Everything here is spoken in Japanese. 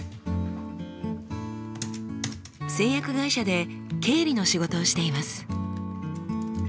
製薬会社で経理の仕事をしています。